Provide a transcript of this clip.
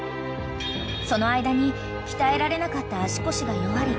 ［その間に鍛えられなかった足腰が弱り